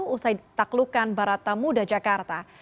usai taklukan barat tamu da jakarta